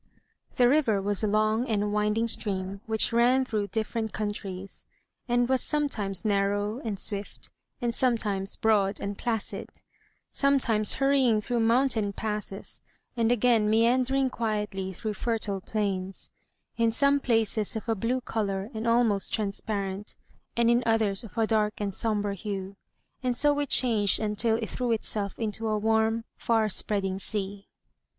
The river was a long and winding stream which ran through different countries, and was sometimes narrow and swift, and sometimes broad and placid; sometimes hurrying through mountain passes, and again meander ing quietly through fertile plains; in some places of a blue color and almost transparent, and in others of a dark and sombre hue; and so it changed until it threw itself into a warm, far spreading sea.